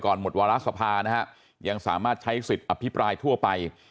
หมดวาระสภานะฮะยังสามารถใช้สิทธิ์อภิปรายทั่วไป